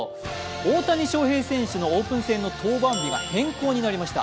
大谷翔平選手のオープン戦の登板日が変更になりました。